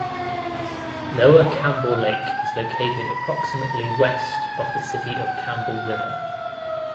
Lower Campbell Lake is located approximately west of the city of Campbell River.